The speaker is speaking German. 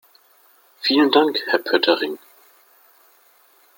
Vielen Dank, Herr Pöttering.